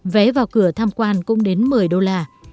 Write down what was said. vé vào cửa tham quan cũng đến một mươi đô la